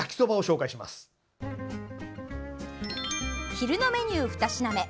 昼のメニュー、２品目